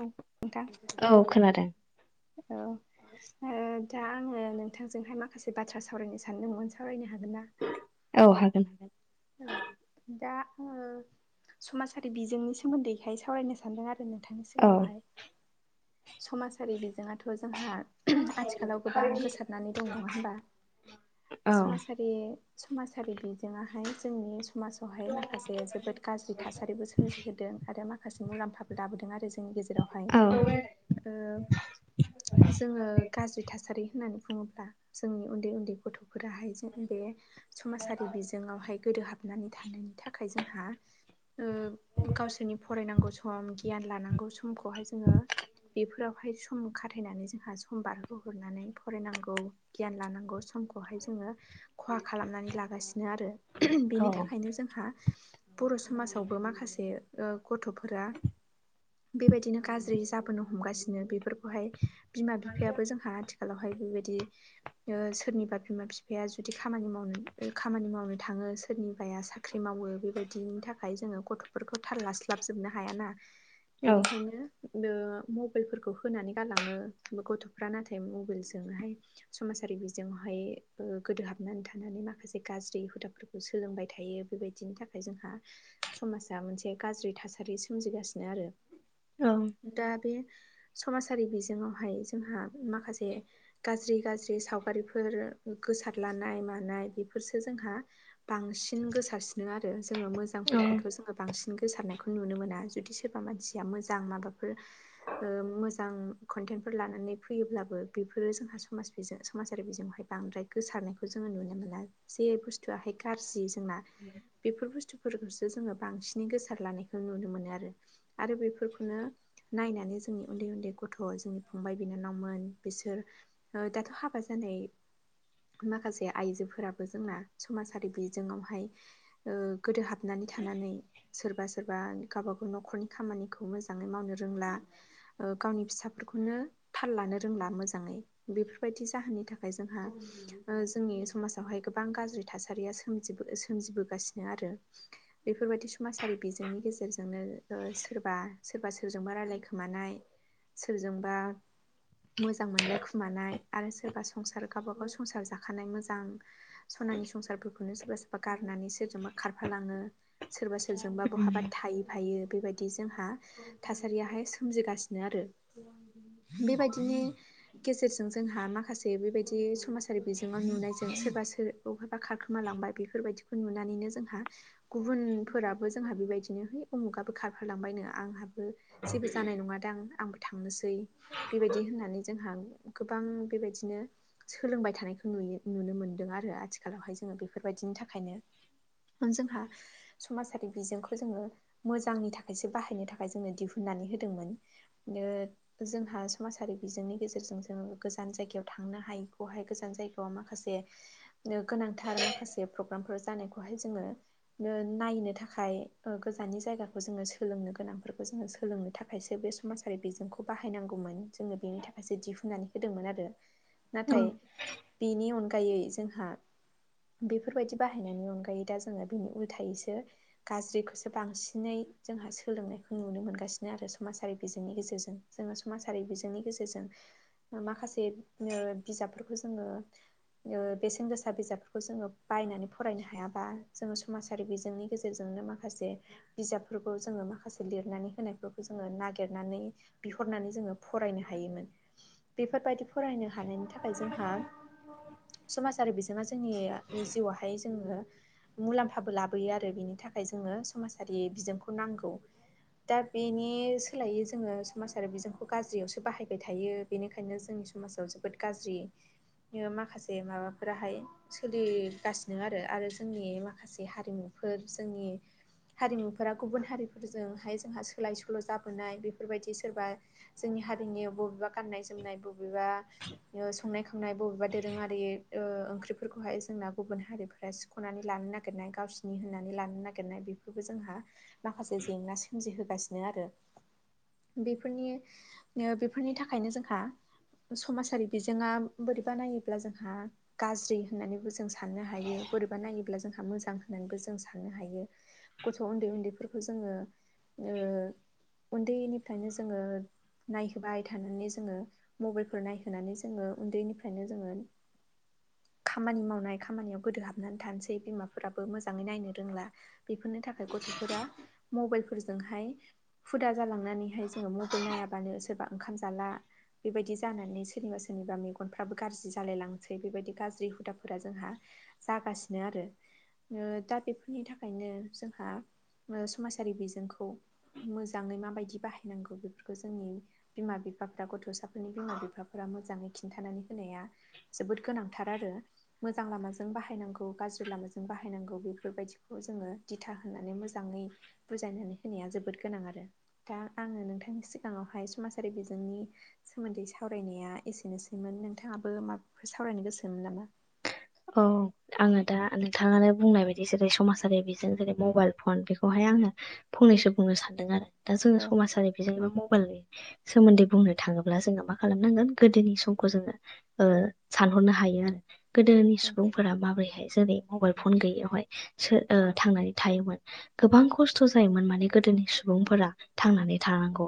औ नोंथां औ खोनादों अ ओ दा आङो नोंथांजोंहाय माखासे बाथ्रा सावरायनो सानदोंमोन सावरायनो हागोन ना? औ हागोन। ओ दा आङो समाजारि बिजोंनि सोमोन्दैखाय सावरायनो सानदों आरो आरो नोंथांनि सिगाङावहाय औ समाजारि बिजोङाथ' जोंहा आथिखालाव गोबां गोसारनानै दं नङा होमबा औ समाजारि समाजारि बिजोङाहाय जोंनि समाजावहाय माखासे जोबोद गाज्रि थासारिबो सोमजिहोदों आरो माख खासे मुलाम्फाबो लाबोदों आरो जोंनि गेजेरावहाय। अ ओ जोङो गाज्रि थासारि होननानै बुङोब्ला जोंनि उन्दै उन्दै गथ' फोराहाय जों बे समाजारि बिजोङावहाय गोदोहाबनानै थानायनि थाखाय जों जोंहा ओ गावसोरनि फरायनांगौ सम गियान लानांगौ समखौहाय जोङो बेफोरावहाय सम खाथायनानै जोंहा सम बारहोहरनानै फरायनांगौ। गियान लानांगौ समखौहाय जोङो खहा खालामनानै लागासिनो आरो बेनि औ थाखायनो जोंहा बर' समाजावबो माखासे ओ गथ'फोरा बेबायदिनो गाज्रि जाबोनो हमगासिनो बेफोरखौहाय बिमा बिफायाबो जोंहा आथिखालावहाय बेबायदि सोरनिबा बिमा बिफाया जुदि खामानि मावनो ओ खामानि मावनो थाङो सोरनिबाया साफ ख्रि मावो बेबायदिनि थाखाय जोङो गथ'फोरखौ थाललास्लाबजोबनो हायाना। बेनिखायनो ओ मबाइलफोरखौ होनानै गालाङो गथ'फ्रा नाथाय मबाइलजोंहाय समाजारि बिजोंहाय ओ गोदोहाबनानै थानानै माखासे गाज्रि हुदाफोर सोलोंबाय थायो बेबायदिनि थाखाय जोंहा समाजा मोनसे गाज्रि थासारि सोमजिगासिनो आरो औ दा बे समाजारि बिजोङावहाय जोंहा माखासे गाज्रि गाज्रि सावगारिफोर गोसारलानाय मानाय बेफोरसो जोंहा बांसिन गोसारसिनो आरो जोङो मोजांफोरखौथ' जोङो बांसिन गोसारनायखौ नुनो मोना जुदि सोरबा मानसिया मोजां माबाफोर ओ मोजां कन्टेन्टफोर लानानै फैयोब्लाबो बेफोरो जोंहा समाज बिजों समाजारि बिजोङावहाय बांद्राय गोसारनायखौ जोङो नुनो मोना, जे बुस्थुआहाय गाज्रि जोंना [inaudible] बेफोर बुस्थुफोरखौसो जोङो बांसिनै गोसार लानायखौ नुनो मोनो आरो। आरो बेफोरखौनो नायनानै जों जों उन्दै उन्दै गथ' जोंनि फंबाय बिनानावमोन बिसोर ओ दाथ' हाबा जानाय माखासे आइजोफोराबो जोंना समाजारि बिजोङावहाय ओ गोदो हाबनानै थानानै सोरबा सोरबा गावबा गाव न'खरनि खामानिखौ मोजाङै मावनो रोंला। ओ गावनि फिसाफोरखौनो थाल लानो रोंला मोजाङै। बेफोरबायदि जाहोननि थाखाय जोंहा ओ जोंनि समाजावहाय गोबां गाज्रि थासारिया सो सोमजिबोगो-सोमजिबोगासिनो आरो। बेफोरबायदि समाजारि बिजोंनि गेजेरजोंनो ओ सोरबा सोरबा सोरजोंबा रायलायखो खोमानाय, सोरजोंबा मोजां मोनलाय खुमानाय आरो सोरबा संसार गावबा गाव संसार जाखानाय मोजां सनानि संसारफोरखौनो सोरबा सोरबा गारनानै सोरजोंबा खारफालाङो। सोरबा सोरजोंबा बहाबा थाहैफायो बेबायदि जोंहा थासारियाहाय सोमजिगासिनो आरो। बेबायदिनो गेजेरजों जोंहा माखासे बेबायदि समाजारि बिजोङाव नुनायजों सोरबा सोर बहाबा खारखोमालांबाय बेफोरबायदिखौ नुनानैनो जोंहा गुबुनफोराबो जोंहा बेबायदिनो है उमुगाबो खारफालांबायनो आंहाबो जेबो जानाय नङादां आंबो थांनोसै, बेबायदि होननानै जोंहा गोबां बेबायदिनो सोलोंबाय थानायखौ नुयो नुनो मोनदों आरो आथिखालावहाय जोङो बेफोरबायदिनि थाखायनो। ओं जोंहा समाजारि बिजोंखौ जोङो मोजांनि थाखायसो बाहायनो थाखाय जोंनो दिहुननानै होदोंमोन। [unintelligible] जोंहा समाजारि बिजोंनि गेजेरजों जोङो गोजान जायगायाव थांनो हायैखौहाय गोजान जायगायाव माखासे ओ गोनांथार माखासे प्रग्रामफोर जानायखौहाय जोङो ओ नायनो थाखाय ओ गोजाननि जायगाखौ जोङो सोलोंनो गोनांफोरखौ जोङो सोलोंनो थाख थाखायसो बे समाजारि बिजोंखौ बाहायनांगौमोन जोङो बेनि थाखायसो दिहुननानै होदोंमोन आरो। औ नाथाय बिनि अनगायै जोंहा बेफोरबायदि बाहायनायनि अनगायै दा जोङो बिनि उल्थायैसो गाज्रिखौसो बांसिनै जोंहा सोलोंनायखौ नुनो मोनगासिनो आरो। मासाय बिजोंनि गेजेरजों जोंङो समाजारि बिजोंनि गेजेरजों मा-माखासे ओ बिजाबफोरखौ जोंङो ओ बेसेन गोसा बिजाबफोरखौ जोंङो बायनानै फरायनो हायाबा जोंङो समाजारि बिजोंनि गेजेरजोंनो मा खासे बिजाबफोरखौ जोंङो माखासे लिरनानै होनायफोर जोंङो नागेरनानै बिहरनानै जोंङो फरायनो हायोमोन बेफोरबायदि फरायनो हानायनि थाखाय जोंहा समाजारि बिजोंङा जोंनि जिउआवहाय जोंङो मुलाम्फाबो लाबोयो आरो बिनि थाखाय जोंङो समाजारि बिजोंखौ नांगौ। दाद बेनि सोलायै जोङो समाजारि बिजोंखौ गाज्रियावसो बाहायबाय थायो बेनिखायनो जोंनि समाजाव जोब बोद गाज्रि ओ माखासे माबाफोराहाय सोलिगासिनो आरो, आरो जोंनि माखासे बे हारिमुफोर जोंनि हारिमुफोरा गुबुन हारिफोरजोंहाय जोंहा सो सोलाय सोल' जाबोनाय बेफोरबायदि सोरबा जोंनि हारिनि बबेबा गाननाय जोमनाय बबेबा संनाय खावनाय बबेबा दोरोङारि ओ ओंख्रिफोरखौहाय जोंना गुबुन हारिफोरासो सुख'नानै लानो नागिरनाय गावसिनि होननानै लानो नागिरनाय बेखौबो जोंहा माखासे जेंना सोमजिहोगासिनो आरो बेफोरनि ओ बेफोरनि थाखायनो जोंहा समाजारि बिजोंङा बोरैबा नायोब्ला जोंहा गाज्रि होननानैबो जों साननो हायो बोरैबा नायोब्ला जोंहा मोजां होननानैबो जों साननो हायो गथ' उन्दै-उन्दैफोरखौ जोंङो ओ उन्दैनिफ्रायनो जोंङो नायहोबाय थानानै जोंङो मबाइलफोर नायहोनानै जोंङो उन्दैनिफ्रायनो जोंङो खामानि मावनाय खामानियाव गोदोहाबनानै थानोसै बिमाफोराबो मोजांङै नायनो रोंला बेफोरनि थाखाय गथ'फोरा मबाइलफोरजोंहाय हुदा जालांनानैहाय जोंङो मबाइल नायाबानो सोरबा ओंखाम जाला बेबायदि जानानै सोरनिबा सोरनिबा मेगनफ्राबो गाज्रि जालायलांसै बेबायदि गाज्रि हुदाफोरा जोंहा जागासिनो आरो। ओ दा बेफोरनि थाखायनो जोंहा ओ समाजारि बिजोंखौ मोजांङै माबायदि बाहायनांगौ बेफोरखौ जोंनि बिमा-बिफाफ्रा गथ'सा फोरनि बिमा-बिफाफोरा मोजांङै खिन्थानानै होनाया जोबोद गोनांथार आरो। मोजां लामाजों बाहायनांगौ गाज्रि लामाजों बाहायनांगौ बेफोरबायदिखौ जोंङो दिथा होनानै मोजांङै बुजायनानै होनाया जोबोद गोनां आरो दा आंङो नोंथांनि सिगांङावहाय समाजारि बिजोंनि सोमोन्दै सावरायनाया एसेनोसैमोन नोंथांङाबो माबाफोर सावरायनो गोसोमोन नामा? औ आंङो दा नोंथांङानो बुंनाय बायदि जेरै समाजारि बिजों जेरै मबाइल फन बेखौहाय आंङो फंनैसो बुंनो सानदों आरो दा जोंङो औ समाजारि बिजोंबो मबाइल सोमोन्दै बुंनो थांङोब्ला जोंङो मा खालामनांगोन गोदोनि समखौ जोंङो ओ सानहरनो हायो आरो गोदोनि औ सुबुंफोरा माबोरैहाय जेरै मबाइल फन गैयियावहाय सो ओ थांनानै थायोमोन। गोबां खस्थ' जायोमोन माने गोदोनि सुबुंफोरा थांनानै थानांग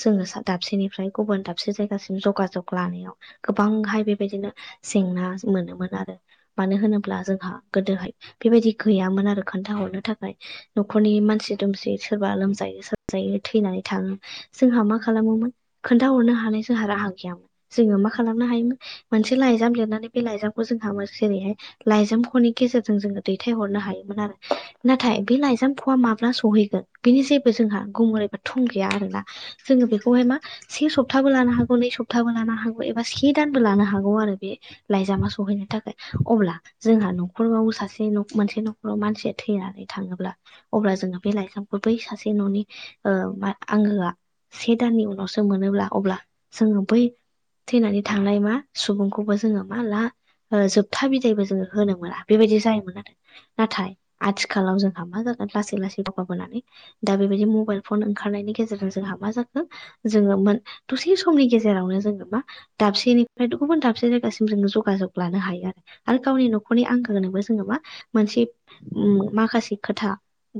जोंङो दाबसेनिफ्राय गुबुन दाबसे जायगासिम जगाजग लानायाव गोबांहाय बेबायदिनो जेंना मोनोमोन आरो। मानो होनोब्ला जोंहा गोदोहाय बेबायदि गैयामोन आरो खोन्थाहरनो थाखाय न'खरनि मानसि-दुमसि सोरबा लोमजायो साजायो थैनानै थांङो जोंहा मा खालामोमोन खोन्थाहरनो हानाय जोंहा राहा गैयामोन जोंङो मा खालामनो हायोमोन मोनसे लाइजाम लिरनानै बे लाइजामखौ जोंहा मोज जेरैहाय लाइजाम खनि गेजेरजों जोंङो दैथाय हरनो हायोमोन आरो। नाथाय बे लाइजामख'आ माब्ला सहैगोन बिनि जेबो जोंहा गुमुर एबा थं गैया आरोना। जोंङो बेखौहाय मा से सप्ताबो लानो हागौ नै सप्ताबो लानो हागौ एबा से दानबो लानो हागौ आरो बे लाइजामा सहैनो थाखाय। अब्ला जोंहा न'खराव सासे मोनसे न'खराव मानसिया थैनानै थाङोब्ला अब्ला जोङो बे लाइजामखौ बै सासे न'नि ओ मा आंगोआ से दाननि उनावसो मोनोब्ला अब्ला जोङो बै थैनानै थांनाय मा सुबुंखौबो जोङो मा ला जोब था बिदायबो जोङो होनो मोना बेबायदि जायोमोन आरो नाथाय आथिखालाव जोंहा मा जागोन लासै लासै दावगाबोनानै दा बेबायदि मबाइल फन ओंखारनायनि गेजेरजों जोंहा मा जाखो जोंङो मोन दसे समनि गेजेरावनो जोंङो मा दाबसेनिफ्रायथ' गुबुन दाबसे जायगासिम जोंङो जगाजग लानो हायो आरो। आरो गावनि न'खरनि आंगोनोबो जोंङोबा मोनसे माखासे खोथा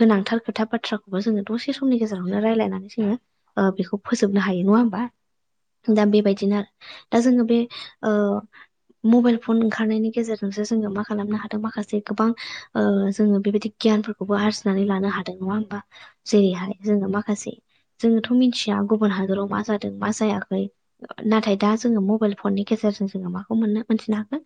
गोनांथार खोथा बाथ्राखौबो जोंङो दसे समनि गेजेरावनो रायलायनानै जोंङो ओ बेखौ फोजोबनो हायो नंङा होमबा? ओं दा बेबायदिनो आरो दा जोंङो बे ओ मबाइल फन ओंखारनायनि गेजेरजोंसो मा खालामनो हादों मासे गोबां ओ जोंङो बेबायदि गियान खौबो आरजिनानै लानो हादों नङा होमबा जेरैहाय जोङो माखासे जोङोथ' मिथिया गुबुन हादराव मा जादों मा जायाखै नाथाय दा जोङो मबेइल फननि गेजेरजों जोङो माखौ मोननो मोनथिनो हाखो?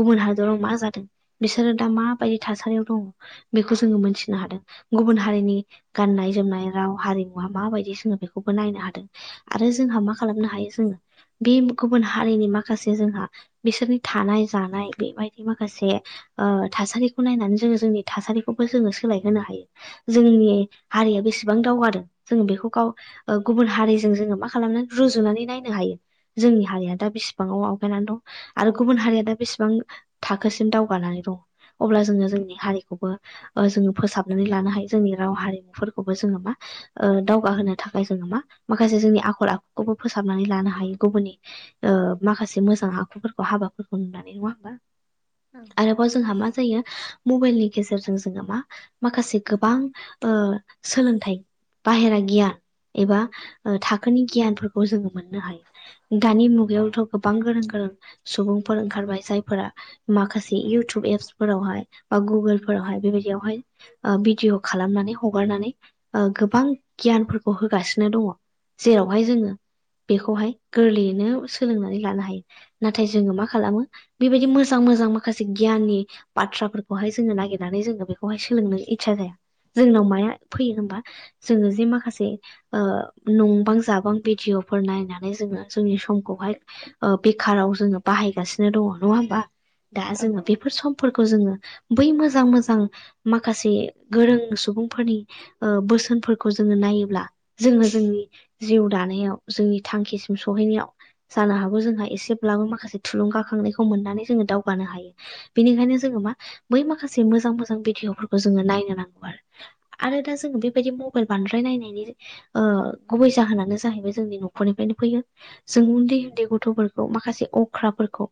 गुबुन हादराव मा जादों बिसोरो दा माबायदि थासारियाव दङ बेखौ जोङो मोनथिनो हादों गुबुन हारिनि गाननाय जोमनाय राव हारिमुवा माबायदि जोङो बेखौबो नायनो हादों। आरो जोंहा मा खालामनो हायो जोङो बे गुबुन हारिनि माखासे जोंहा बिसोरनि थानाय जानाय बेबायदि माखासे ओ थासारिखौ नायनानै जोङो जोंनि थासारिखौबो जोङो सोलायहोनो हायो। जोंनि हारिया बेसेबां दावगादों जों बेखौ गाव ओ गुबुन हारिजों जोङो मा खालामनानै रुजुनानै नायनो हायो। जोंनि हारिया दा बिसिबांआव आवगायनानै दं आरो गुबुन हारिया दा बिसिबां थाखोसिम दावगानानै दं अब्ला जोङो जोंनि हारिखौबो ओ जोङो फोसाबनानै लानो हायो जोंनि राव हारिमुफोरखौबो जोङो मा ओ दावगाहोनो थाखाय जोङो मा माखासे जोंनि आखल आखुखौबो फोसाबनानै लानो हायो गुबुननि ओ माखासे मोजां आखुफोरखौ हाबाफोरखौ नुनानै नङा होमबा? औ आरोबाव जोंहा मा जायो? मबेइलनि गेजेरजों जोंहा मा माखासे गोबां ओ सोलोंथाइ बाहेरा गियान एबा ओ थाखोनि गियानफोरखौ जोङो मोननो हायो। दानि मुगायावथ' गोबां गोरों गोरों सुबुंफोर ओंखारबाय। जायफोरा माखासे इउटुब एप्सफोरावहाय बा गुगोलफोरावहाय बेबायदियावहाय ओ भिडिअ' खालामनानै हगारनानै ओ गोबां गियानफोरखौ होगासिनो दङ जेरावहाय जोङो बेखौहाय गोरलैयैनो [unintelligible] सोलोंनानै लानो हायो नाथाय जोङो मा खालामो बेबायदि मोजां मोजां माखासे गियाननि बाथ्राफोरखौहाय जोङो नागिरनानै जोङो बेखौहाय सोलोंनो इस्सा जाया। जोंनाव माया फैयो होनबा जोङो जे माखासे ओ नंबां जाबां भिडिअ'फोर नायनानै जोङो जोंनि समखौहाय ओ बेखाराव जोङो बाहायगासिनो दङ नङा होमबा दा औ जोङो बेफोर सम फोरखौ जोङो बै मोजां मोजां माखासे गोरों सुबुंफोरनि ओ बोसोनफोरखौ जोङो नायोब्ला जोङो जोंनि जिउ दानायाव जोंनि थांखिसिम सहैनायाव जानो हागौ जोंहा एसेब्लाबो माखासे थुलुंगाखांनायखौ मोननानै जोङो दावगानो हायो। बेनिखायनो जोङो मा बै माखासे मोजां मोजां भिडिअफोरखौ जोङो नायनो नांगौ आरो। आरो दा जोङो बेबायदि मबाइल बांद्राय नायनायनि ओ गुबै जाहोनानो जाहैबाय जोंनि न'खरनिफ्रायनो फैयो। जों उन्दै उन्दै गथ'फोरखौ माखासे अख्राफोरखौ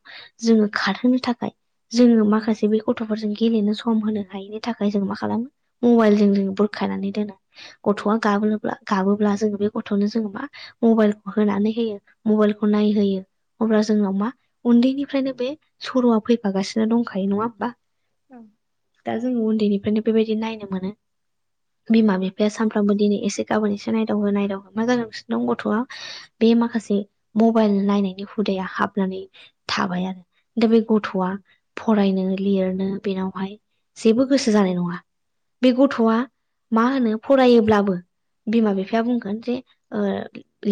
जोङो खारहोनो थाखाय जोङो माखासे बे गथ'फोरजों गेलेनो सम होनो हायिनि थाखाय जों मा खालामो मबाइलजों जों बुरखायनानै दोनो गथ'आ गाबब्ला गाबोब्ला जोङो बे गथ'नो जोङो मा मबाइलखौ होनानै होयो मबाइलखौ नायहोयो अब्ला जोंनाव मा उन्दैनि फ्रायनो बे सर'आ फैफागासिनो दंखायो नङा होमबा औ दा जोङो उन्दैनिफ्रायनो बेबायदि नायनो मोनो। बिमा बिफाया सानफ्रामबो दिनै एसे गाबोन एसे नायदावोहो नायदावोहो मा जालांगासिनो दं गथ'आ बे माखासे मबेइल नायनायनि हुदाया हाबनानै थाबाय आरो दा बे गथ'आ फरायनो लिरनो बेनावहाय जेबो गोसो जानाय नङा बे गथ'आ मा होनो फरायोब्लाबो बिमा बिफाया बुंगोन जे ओ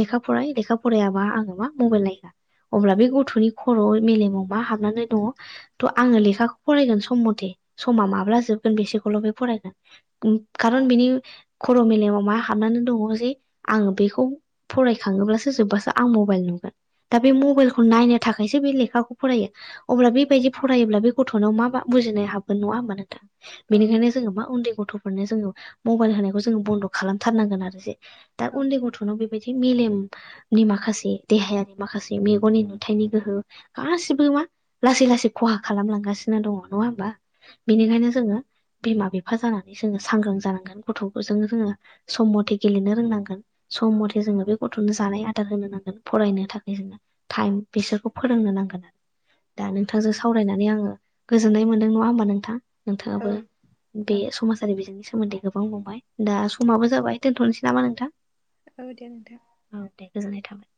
लेखा फराय लेखा फरायाबा आङो मा मबाइल नायहोआ अब्ला बे गथ'नि खर' मेलेमाव मा हाबनानै दङ थ' आङो लेखाखौ फरायगोन सम मथे समा माब्ला जोबगोन बेसेखौल' बे फरायगोन खारन बिनि खर' मेलेमाव मा हाबनानै दङ' जे आङो बेखौ फरायखाङोब्लासो जोब्बासो आं मबाइल नुगोन दा बे मबाइलखौ नाय थाखायसो बे लेखाखौ फरायो। अब्ला बेबायदि फरायोब्ला बे गथ'नाव मा मा बुजिनाय हाबगोन नङा होमबा नोंथां? औ बेनिखायनो जोङो मा उन्दै गथ'फोरनो जोङो मबाइल होनायखौ जोङो बन्द' खालामथारनांगोन आरो जे दा औ उन्दै गथ'नो बेबायदि मेलेमनि माखासे देहायारि माखासे मेगननि नो हाथायनि गोहो गासिबो मा लासै लासै खहा खालामलांगासिनो दङ नङा होमबा उम, बेनिखायनो जोङो बिमा बिफा जानानै जोङो सांग्रां जानांगोन गथ'फोरजोंनो जोङो सम मथे गेलेनो रोंनांगोन। सम मथे जोङो बे गथ'नो जानाय आदार होनो नांगोन फरायनो थाखाय जोङो टाइम बिसोरखौ फोरोंनो नांगोन। दा नोंथांजों सावरायनानै आङो गोजोननाय मोनदों नङा होमबा नोंथां? औ नोंथाङाबो बे औ समाजारि बिजोंनि सोमोन्दै गोबां बुंंबाय दा समाबो जाबाय दोनथ'नोसै नामा नोंथां? औ दे नोंथां औ दे गोजोननाय थाबाय